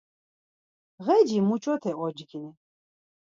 Ğeci muç̌ote ocgini?